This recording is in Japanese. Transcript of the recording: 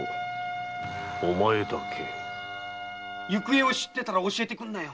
行方を知ってたら教えてくんなよ。